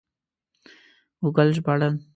ګوګل ژباړن